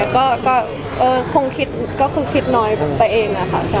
ก็คงคิดเน้นไปเองนะคะ